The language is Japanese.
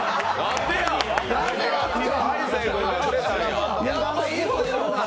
大晴君がくれたんや。